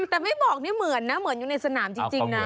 แต่ไม่บอกนี่เหมือนนะเหมือนอยู่ในสนามจริงนะ